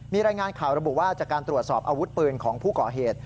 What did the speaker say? มีรายงานข่าวระบุว่าจากการตรวจสอบอาวุธปืนของผู้ก่อเหตุ